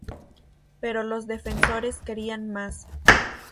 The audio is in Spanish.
Pero los defensores querían más.